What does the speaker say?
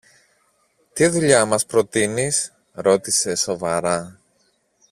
Τι δουλειά μας προτείνεις; ρώτησε σοβαρά.